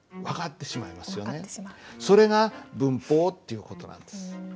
ってそれが文法っていう事なんです。